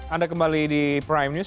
anda kembali di prime news